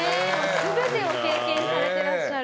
全てを経験されていらっしゃる。